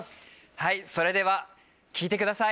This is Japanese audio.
はいそれでは聴いてください